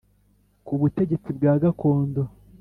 ku butegetsi bwa gakondo: